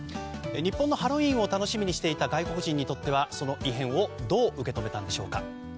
日本のハロウィーンを楽しみにしていた外国人にとってはその異変をどう受け止めたのでしょうか。